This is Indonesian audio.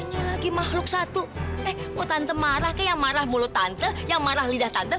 yang lagi makhluk satu eh mau tante marah kayak yang marah mulut tante yang marah lidah tante